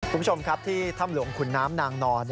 คุณผู้ชมครับที่ถ้ำหลวงขุนน้ำนางนอน